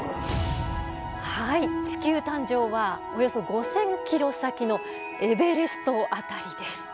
はい地球誕生はおよそ５，０００キロ先のエベレスト辺りです。